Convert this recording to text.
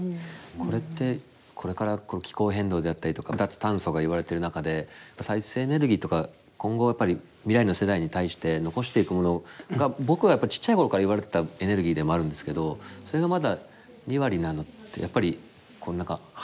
これってこれからこの気候変動であったりとか脱炭素が言われてる中で再生エネルギーとか今後やっぱり未来の世代に対して残していくものが僕はやっぱりちっちゃい頃から言われてたエネルギーでもあるんですけどそれがまだ２割なのってやっぱりなかなか増やせないものなんですか？